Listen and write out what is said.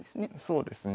そうですね。